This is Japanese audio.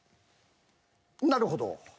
なるほど。